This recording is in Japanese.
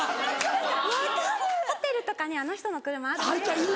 ホテルとかにあの人の車あるねとか。